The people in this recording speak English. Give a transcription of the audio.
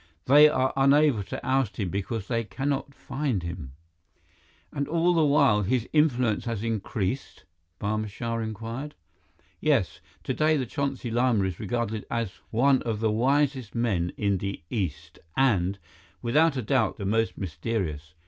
They are unable to oust him because they cannot find him." "And all the while his influence has increased?" Barma Shah inquired. "Yes. Today, the Chonsi Lama is regarded as one of the wisest men in the East and, without a doubt, the most mysterious.